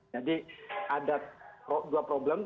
jadi ada dua problem